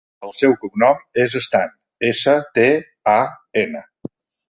El seu cognom és Stan: essa, te, a, ena.